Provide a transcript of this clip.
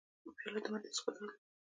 پیاله د مجلس ښکلا ده.